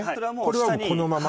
これはこのまま？